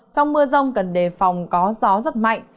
trong mưa rông cần đề phòng có gió rất mạnh